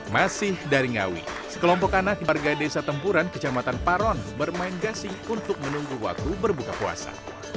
masih dari ngawi sekelompok anak warga desa tempuran kecamatan paron bermain gasing untuk menunggu waktu berbuka puasa